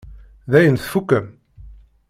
Dayen tfukkem?